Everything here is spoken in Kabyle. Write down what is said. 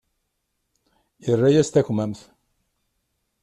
Irra-yas takmamt.